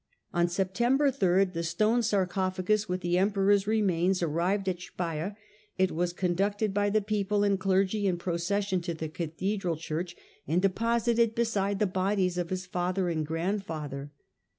On September 3, the stone sarcophagus with the emperor's remains arrived at Speier ; it was conducted by the people and clergy in procession to the cathedral church, and deposited beside the bodies of his father and grandfather.